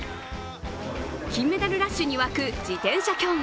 金メダルラッシュに沸く、自転車競技。